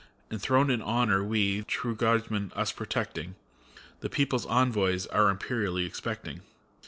Enthroned in honor we, true guardsmen us protecting, The people's envoys are imperially expecting.